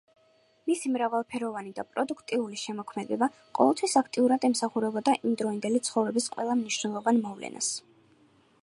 მისი მრავალფეროვანი და პროდუქტიული შემოქმედება ყოველთვის აქტიურად ეხმაურებოდა იმდროინდელი ცხოვრების ყველა მნიშვნელოვან მოვლენას.